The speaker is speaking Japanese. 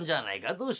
どうした？」。